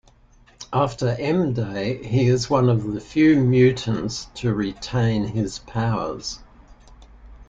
After M-Day, he is one of the few mutants to retain his powers.